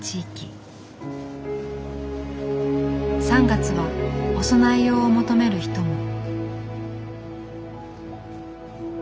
３月はお供え用を求める人も。